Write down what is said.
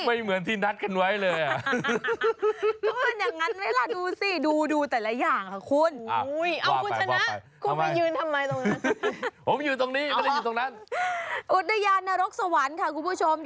ไม่เหมือนที่กลางวัน